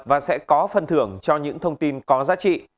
và sẽ có phần thưởng cho những thông tin có giá trị